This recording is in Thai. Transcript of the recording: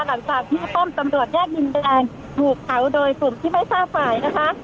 หลังจากที่ป้อมตำรวจแยกดินแดงถูกเผาโดยกลุ่มที่ไม่ทราบฝ่ายนะคะ